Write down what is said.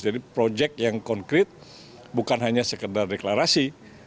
jadi proyek yang konkret bukan hanya sekedar deklarasi